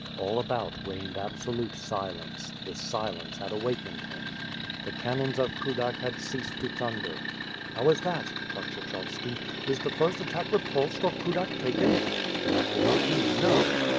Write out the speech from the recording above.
All about reigned absolute silence; this silence had awakened him. The cannons of Kudak had ceased to thunder . "How is that?^' thought Kshechovski. "Is the first attack repulsed, or Kudak taken?" But that could not be, no!